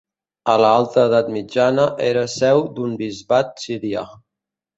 A l'alta edat mitjana era seu d'un bisbat sirià.